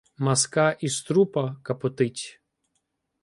Мазка із трупа капотить.